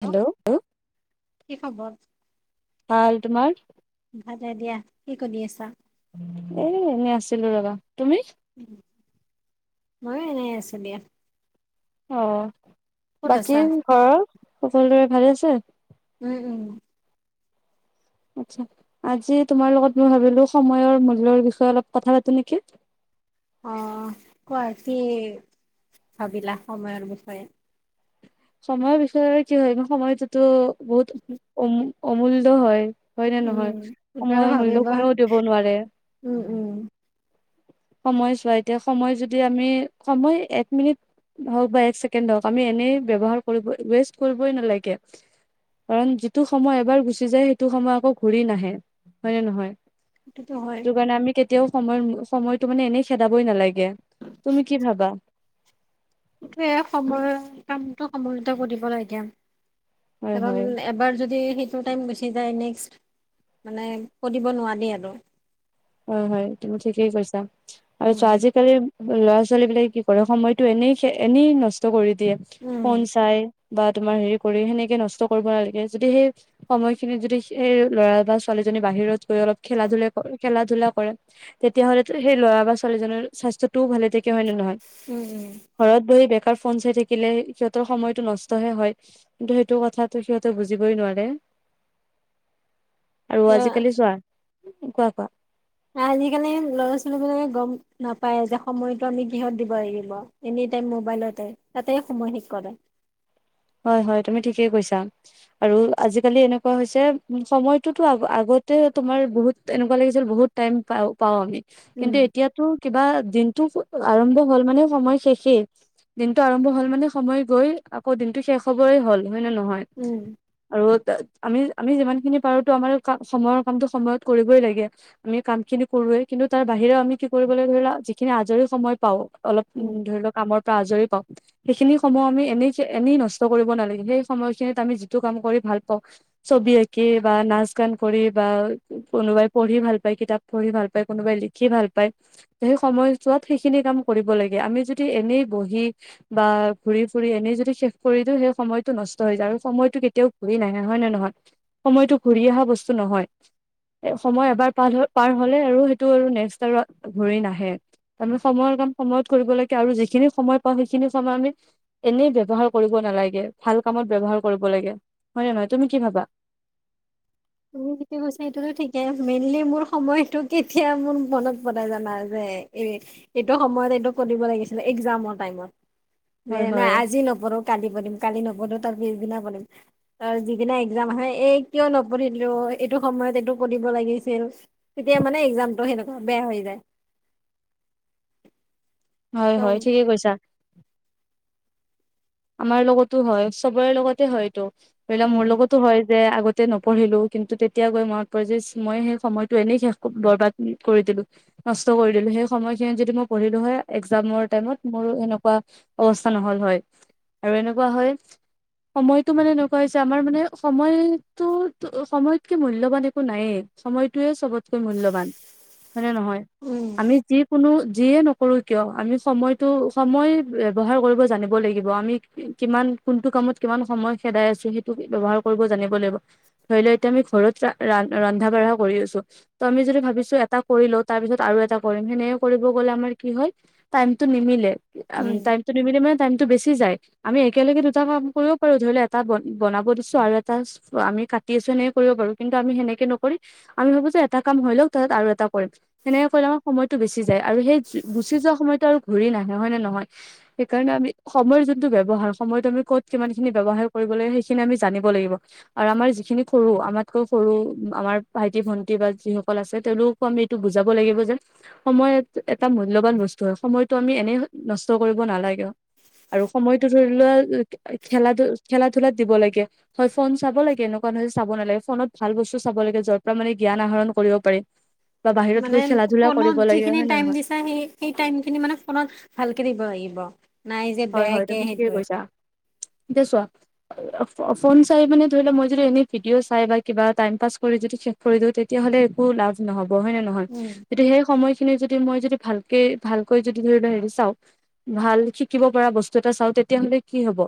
Hello. কি খবৰ? ভাল তোমাৰ? ভাদে দিয়া কি কৰি আছা এনেই আছিলো ৰবা তুমি মইয়ো এনেই আছো দিয়া অ ক'ত আছা? বাকী ঘৰৰ সকলোৰে ভালে আছে উম উম আচ্ছা আজি তোমাৰ লগত মই ভাবিলো সময়ৰ মূল্যৰ বিষয়ে অলপ কথা পাতো নেকি [inaudible] অহ কোৱা কি ভাবিলা সময়ৰ বিষয়ে সময়ৰ বিষয়ে কি হয় সময়টোতো বহুত অম অমূল্য হয় হয় নে নহয় উম, সেইটো আৰু সময়ৰ মূল্য ভাবিব। কোনেও দিব নোৱাৰে উম, উম। সময় চোৱা এতিয়া সময় যদি আমি সময় এক মিনিট হওক বা এক ছেকেণ্ড হওক আমি এনেই ব্যৱহাৰ কৰিব ৱেষ্ট কৰিবই নালাগে কাৰণ যিটো সময় এবাৰ গুচি যায় সেইটো সময় আকৌ ঘূৰি নাহে হয় নে নহয় সেইটোতো হয় এতিয়াও সময় সময়তটো মানে এনেই খেদাবই নালাগে তুমি কি ভাবা সেইটোয়ে সময়ৰ কামটো [unintelligible] হয় কাৰণ হয় এবাৰ যদি সি সিটো টাইম গুচি যায় নেক্স মানে কৰিব নোৱাৰি আৰু হয় হয় তুমি ঠিকেই কৈছা আৰু ছো উম, আজিকালি ল'ৰা ছোৱালী বিলাকে কি কৰে সময়টো এনেই এনেই নষ্ট কৰি দিয়ে উম, ফোন চাই বা তোমাৰ হেৰি কৰি সেনেকে নষ্ট কৰিব নালাগে যদি সেই সময়খিনিত যদি সেই ল'ৰা বা ছোৱালী জনী বাহিৰত গৈ অলপ খেল ধূলা কৰে খেলা ধলা কৰে তেতিয়া হ'লেটো সেই ল'ৰা বা ছোৱালীজনীৰ স্বাস্থ্যতোও ভালে থাকে হয় নে নহয় উম উম কাৰ ফোন চাই থাকিলে সিহঁতৰ সময়তটো নষ্ট হে হয় কিন্তু সেইটো কথাটো সিহঁতে বুজিবই নোৱাৰে। আৰু উম। আজিকালি চোৱা কোৱা কোৱা আজিকালি লৰা ছোৱালী বিলাকে গম নাপায় যে সময়টো আমি কিহত দিব লাগিব এনে এনিটাইম মোবাইলতে তাতে সময় শেষ কৰে। [unintelligible] হয় হয় তুমি ঠিকেই কৈছা আৰু আজিকালি এনেকুৱা হৈছে উ সময়তোতো আগত তোমাৰ বহুত এনেকুৱা লাগিছিল বহুত টাইম পা পাও আমি কিন্তু উম, এতিয়াতো কিবা দিনটো আৰম্ভ হ'ল মানে সময় শেষেই দিনটো আৰম্ভ হ'ল মানে সময় গৈ আকৌ দিনটো শেষ হবৰেই হ'ল হয় নে নহয় উম, আৰু আমি আমি যিমান খিনি পাৰোতো আমাৰ ক সময়ৰ কামতটো সময়ত কৰিবই লাগে আমি কাম খিনি কৰো কিন্তু তাৰ বাহিৰেও আমি কি কৰিবলৈ ধৰিলা যিখিনি আজৰি সময় পাওঁ অলপ উ উম। ধৰি লও কামৰ পৰা আজৰি পাওঁ সেইখিনি সমূহ আমি এনে এনেই নছ কষ্ট কৰিব নালাগে সেই সময় খিনিত আমি যিটো কাম কৰি ভাল পাওঁ ছবি আঁকি বা নাচ গান কৰি বা বা কোনোবাই পঢ়ি ভাল পায় কিতাপ পঢ়ি ভাল পায় কোনোবাই লিখি ভাল পায় ত সেই সময়ছোৱাত সেইখিনি কাম কৰিব লাগে আমি যদি এনেই বহি বা ঘুৰি ফুৰি এনেই যদি শেষ কৰিও সেই সময়টো নষ্ট হৈ যায় আৰু সময়টো কেতিয়াও ঘূৰি নাহে নাই হয় নে নহয় সময়তো ঘূৰি অহা বস্তু ন নহয়। সময় এবাৰ পাৰ পাৰ হলে আৰু সেইটো আৰু নেক্স ঘৰি নাহে। তাৰমানে সময়ৰ কাম সময়ত কৰিব লাগে আৰু যিখিনি সময় পাওঁ সেইখিনি সময় আমি এনেই ব্যৱহাৰ কৰ কৰিব নালাগে ভাল কামত ব্যৱহাৰ কৰিব লাগে হয় ন নহয় তুমি কি ভাবা? [unintelligible] গৈছে সেইটোতো ঠিকেই মেইনলি মোৰ সময়টো কেতিয়া মোৰ মনত বনাই জানা যে এই এইটো সময়ত এইটো কৰিব লাগিছিলে এক্জামৰ টাইমত। ন হয় নাই হয়। আজি নপঢো কালি পঢ়িম কালি নপঢো পিছদিনা পম ত যিদিনা এক্জাম আহে এই কিয় ন [unintelligible] এইটো সময়ত এইটো পঢিব লাগিছিল তেতিয়া মানে এক্জামটো সেনেকুৱা বেয়া হৈ যায় হয় ত হয় ঠিকেই কৈছা আমাৰ লগতো হয় চবৰে লগতে হয়তটো ধৰিলোৱা উম, মোৰ লগতো হয় যে আগতে নপঢ়িলো কিন্তু তেতিয়া গৈ মনত পৰে যে মই সেই সময়টো এনেই শেষ বৰবাদ কৰি দি [unintelligible] কস্থ নহল হয় আৰু এনেকুৱা হয় সময়তটো মানে এনেকুৱা হৈছে আমাৰ মানে সময়তটো সময়তকে মূল্যৱান একো নাইেই সময়টয়ে চবতকৈ মূল্যৱান হয়নে নহয় উম, আমি যিকোনো যিয়ে নকৰো কিয় আমি সময়টো সময় ব্যৱহাৰ কৰিব জানিব লাগিব আমি কিমান [unintelligible] এতি আমি ঘৰত ৰন্ধা বঢ়া কৰি আছো ত আমি যদি ভাবিছো এটা কৰি লও তাৰ পিছত আৰু এটা [unintelligible] কৰিব গ'লে আমাৰ কি হয় টাইমতটো নিমিলে উম। টাইমতটো নিমিলে মানে [unintelligible] পাতি আছো সনেক কৰিবাৰ কিন্তু আমি সেনেকে নকৰি আমি ভাবো যে এটা কাম হয় লওক তাত আৰু এটা কৰিম সনে আমাৰ সময়তটো বেছি যায় আৰু সেই গুচি যোৱা সময়তো আৰু ঘূৰি নাহে হয় নে নহয় সেইকাৰণে আমি সময়ৰ যোনটো ব্যবহাৰ সময়তো আমি ক'ত কিমান খিনি ব্যৱহাৰ কৰিব লাগে সেইখিনি আমি জানিব লাগিব আৰু আমাৰ সি খিনি সৰু আমাতকৈও সৰু আমাৰ ভাইটি ভন্টি বা যিসকল আছে তেওঁলোককো আমি এইটো বুজাব লাগিব যে সময় এটা মূল্যৱান বস্তু হয় সময়তটো আমি এনেই নষ্ট কৰিব নালাগে আৰু সময়তো ধৰি লোৱা খেলা ধ খেলা ধলাত দিব লাগে হয় ফোন চাব লাগে এনেকুৱা চাব নালাগে ফোনত ভাল বস্তু চাব লাগে যৰ পৰা মানে জ্ঞান আহৰণ কৰিব পাৰি বা বাহিৰত মানে গৈ খেলা ধূলা কৰিব লাগে হয় নে নহয় [unintelligible] হয় হয় বেয়াকে তুমি ঠিকে সেইটোৱে কৈছা এতিয়া চোৱা ফোন চাই মাননে ধৰি লও মই যদি এনে ভিডিঅ' চাই বা কিবা টাইম পাছ কৰি যদি চেক কৰি দিওঁ তেতিয়া লে একো লাভ নহব হয় নে নহয় উম সেই সময় খিনি যদি দি মই যদি ভালকে ভালকৈ যদি ধৰি [unintelligible] শিকিব পৰা বস্তু এটা চাও তেতিয়াাহলে কি হব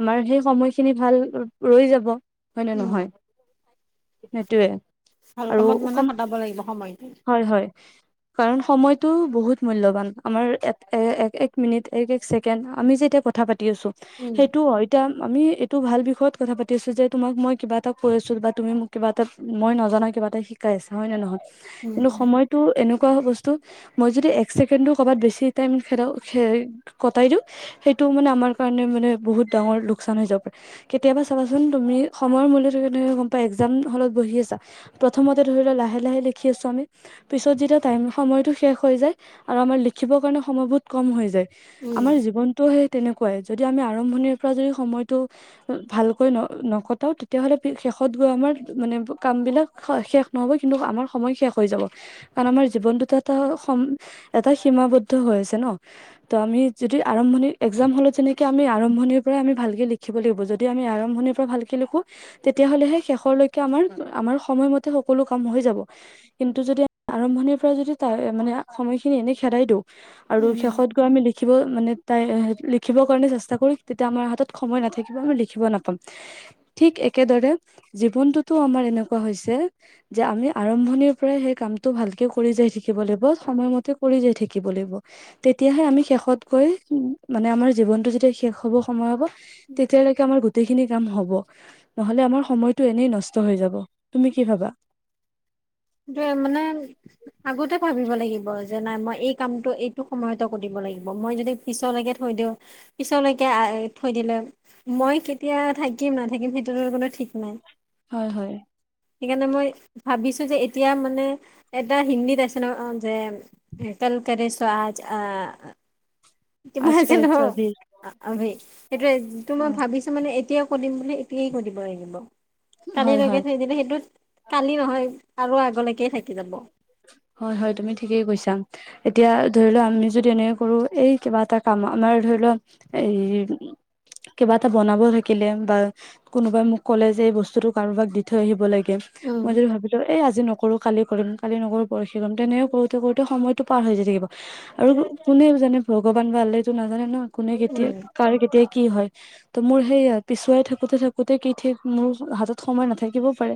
আমাৰ সেই সময়খিনি ভাল ৰৈ যাব হয় নে উম নহয় সেইটোৱে ভাল আৰু কামত মানে কটাব লাগিব সময়টো [unintelligible] কাৰণ সময়তটো বহুত মূল্যৱান আমাৰ এক মিনিট এক এক আমি যে এতিয়া কথা পাতি আছো উম সেইটো হয় এতিয়া আমি তো ভাল বিষয়ত কথা পাতিছো যে তোমাক মই কিবা এটা কৰিছো বা তুমি মোক কিবা এটা মই নজনাাই কিবা এটা শিকাই হয় নে নহয় উম কিন্তু উম সময়তো এনেকুৱা বস্তু ত' মই যদি এক ছেকেণ্ডো কৰবাত বেছি টাইম খেলা খ কটাই দিও সেইটো মানে আমাৰ কাৰণে মানে বহুত ডাঙৰ লোকচান হৈ যাব পাৰে কেতিয়াবা চাবাচোন তুমি সময়ৰ মূল্য ধৰি ল গম পাই এক্জাম হলত বহি আছা প্ৰথমতে ধৰি ল লাহে লাহে লিখি আছো আমি পিছত যেতিয়া টাইম সময়তটো শেষ হৈ যায় আৰু আমাৰ লিখিবৰ কাৰণে সময় বহুত কম হৈ যায় উম আমাৰ জীৱনতটো সেই তেনেকুৱাই যদি আমি আৰম্ভণিৰ পৰা যদি সময়তটো ভালকৈ ন নকটাও তেতিয়া হ'লে শষত গ আমাৰ মানে কাম বিলাক শেষ নহ'ব কিন্তু আমাৰ সময় শেষ হৈ যাব কাৰণ আমাৰ জিৱ এটা এটা সীমাবদ্ধ হৈ আছে ন ত আমি যদি আৰম্ভণি এক্জাম হলত যেনেকে আমি আৰম্ভণিৰ পৰা আমি ভালকে লিখিব লাগিব যদি আমি আৰম্ভণিৰ পৰা ভালকে তেতিয়া হলে শেষলৈকে আমাৰ আমাৰ সময়ম মতে সকলো কাম হৈ যাব কিন্তু য আৰম্ভণিৰ পৰা যদি তাই মানে সময়খিনি এনেই খেদাই দিওঁ আৰু উম শেষত গৈ আমি ল লিখিব মানে তাই লিখিবৰ কাৰণে চেষ্টা কৰি তেতিয়া আমাৰ হাতত সময় নাথাকিব আমি লিখিব নাপাম ঠিক একেদৰে জীৱনটোতো আমাৰ এনেকুৱা হৈছে যে আমি আৰম্ভণিৰ পৰাই সেই কামতটো ভালকে কৰি যাই থাকিব লাগিব সময়মতে কৰি যাই থাকিব লাগিব তেতিয়াহে আমি শেষ শষতকৈ মানে আমাৰ জীৱনটো যেতিয়া শেষ হ'ব সময় হ'ব তেতিয়ালৈকে আমাৰ গোটেই খিনি কাম হ'ব নহলে আমাৰ সময়টো এনেই নষ্ট হৈ যাব তুমি কি ভাবা মানে আগতে ভাবিব লাগিব যে নাই মই এই কামটো এইটো সময়তে কৰিব ল [unintelligible] থাকিম নাথাকিম সেইটোতো কোনো ঠিক নাই হয় হয় সেইকাৰণে মই ভাবিছো যে এতিয়া মানে এটা হিন্দীত আছে ন যে কলজ আহ কিবা আজকাল আছিল ন চাবি সেইটোোৱেটো মই হয় ভাবিছো মানে এতিয়া সুধিম বোলে এতিয়াই সুধিব লাগিব হয় কালিলৈকে থৈ দিলে সেইটোত কালি নহয় আৰু আগলৈকে থাকি যাব হয় হয় তুমি ঠিকেই কৈছাম এতিয়া ধৰি ল আমি যদি এনেে কৰো এই কিবা এটা কাম আমাৰ ধৰিল এই কিবা এটা বনাব থাকিলে বা কোনোবাই মোক ক'লে যে এই বস্তুতটো কাৰোবাক দি থৈ আহিব লাগে উম মই যদি ভাবিলো এই আজি নকৰো কালি কৰিম কালি নকৰ পৰশি লম তেনেও কৰোতে কৰোতে সময়তটো পাৰ হৈ যায় থিব আৰু কোনে যোননে ভগৱান বা ভাল তো নাজানে ন কোনে কেতিয়া উম কাৰ কেতিয়া কি হয় ত মোৰ সেই পিছুৱাই থাকোতে থাকোতে কি ঠিক মোৰ হাতত সময় নাথাকিবও পাৰে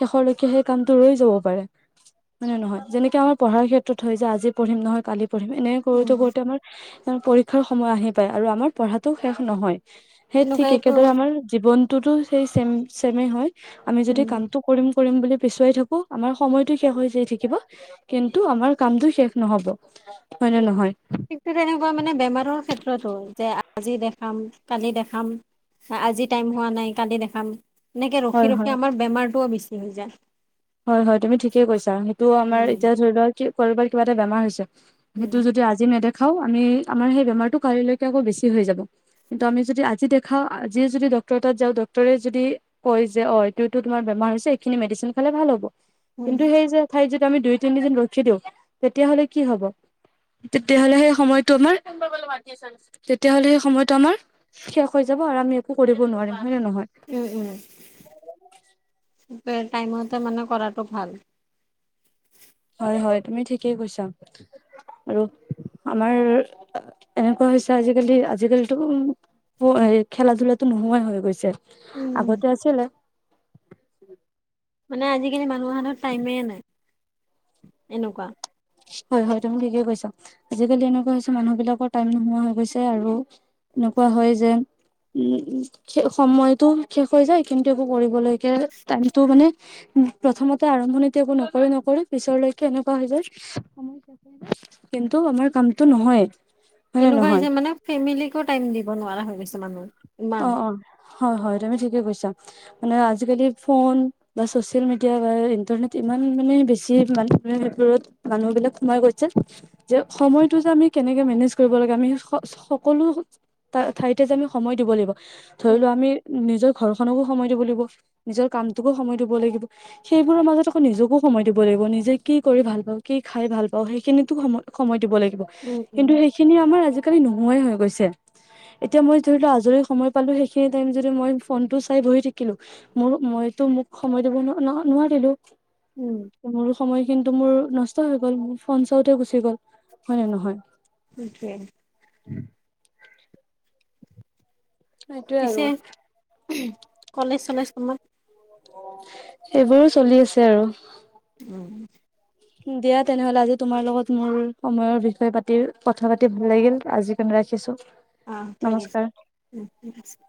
শষলৈকে সেই কামটো ৰৈ যাব পাৰে মানে নহয় যেনেকে আমাৰ পঢ়াৰ ক্ষেত্ৰত হয় যে আজি পঢ়িম নহয় কালি পঢ়িম এনে উম কৰোতে কৰোতে আমাৰ পৰীক্ষাৰ সময় আহি পায় আৰু আমাৰ পঢ়াতটো শেষ নহয় সেই ঠিক তেনেকুৱাইতো একেদৰে আমাৰ জীৱনটোতো সেই চেম চেমে হয় আমি যদি উম কামটো কৰিম কৰিম বুলি পিছুৱাই থাকো আমাৰ সময়তো শেষ হৈ থাকিব কিন্তু আমাৰ কামটো শেষ নহব হয় নে নহয় িক তেনেকুৱা মানে বেমাৰৰ ক্ষেত্ৰতো যে আজি দেখাম কালি দেখাম আজি টাইম হোৱা নাই কালি দেখাম এনেকে হয় ৰখি হয় ৰখি আমাৰ বেমাৰটোও বেছি হৈ যায় হয় হয় তুমি ঠিকেই কৈছা সেইটো আমাৰ উম এতিয়া ধৰি লোৱা কি কৰবাৰ কিবা এটা বেমাৰ হৈছে উম, সেইটো যদি আজি নেদেে া আমি আমাৰ সেই বেমাৰটো কেৌ বেছি হৈ য কিন্তু আমি যদি আজি দেখা আজিয় য [unintelligible] খালে ভাল হব উম, কিন্তু সেই যে ঠাইত যদি আমি দুই তিনিদিন ৰখি দিওঁ তেতিয়াাহলে কি হব তেতিয়াাহলে সেই সময়তটো আমাৰ তেতিয়া হলে সেই সময়তটো আমাৰ শেষ হৈ য আমি একো কৰিব নোৱাৰিম হয় নে নহয় উম, টাইমতে মানে কৰাটো ভাল হয় হয় তুমি ঠিকেই কৈছা আৰু আমাৰ এনেকুৱা হৈছে আজিকালি আজিকালিতো খেলা ধূলাো নোহোৱাই হৈ গৈছে উম, আগতে আছিলে মানে আজিকালি মানুহৰ হাতত টাইমে নাই এনেকুৱা হয় হয় তুমি ঠিকেইে কৈছা আজিকালি এনেকুৱা হৈছে মানুহ বিলাকৰ টাইম নোহোৱা হৈ গৈছে আৰু এনেকুৱা হয় যে উম সময়তটো শেষ হৈ যায় কিন্তু একো কৰিবলৈ াইমটো মানে উ প্ৰথমতে আৰম্ভণিতে একো নকৰি নকৰি পিছৰ লকে এনেকুৱা হৈ যায় সময় কিন্তু আমাৰ কামতটো নহয় এনেকুৱা হৈছে মানে ফেমিলিকো টাইম দিব নোৱাৰা হৈ গৈছে মানুহৰ অ অ হয় হয় তুমি ঠিকে কৈছা মানে আজিকালি ফোন বা চচিয়েল মিডিয়া বা ইণ্টাৰনেট ইমান মানে বেছি ৰত মানুহ বিলাক সোমাই গৈছে যে সময়টো যে আমি কেনেকে মেনেজ কৰিব লাগে আমি ঠয় দ লাগ ধ উম, আ নি ঘৰ খনকো সময় দিব লাগিব নিজৰ কামটোকো সময় দিব লাগিব সেইবোৰৰ মাজত আকৌ নিজকো সময় দিব লাগিব নিজে কি কৰি ভাল পাওঁ কি খাই ভাল পাওঁ সেইখিনিতো সময় সময় দিব লাগিব উম, উম। কিন্তু সেইখিনি আমাৰ আজিকালি নোহোৱাই হৈ গৈছে এতিয়া মই ধৰি লোৱা যদি সময় পালো সেইখিনি টাইম য মই ফোন টো চাই বহি থাকিলো মোৰ মইতো মোক সময় দিব নোৱাৰ ন নোৱাৰিলো উম, মোৰো সময় কিন্তু মোৰ নষ্ট হৈ গ'ল মোৰ ফোন চাওতে গুচি গ'ল হয় নে নহয় সেইটোৱে। উম। সেইটোৱে পিছে আৰু। কলেজ চলেজ তোমাৰ। এইবোৰো চলি আছে আৰু। উম দিয়া তেনেহ'লে আজি তোমাৰ লগত মোৰ সময়ৰ বিষয়ে পাতি কথা পাতি ভাল লাগিল আজি ৰাখিছোঁ। অঁ ঠিক আছে আ।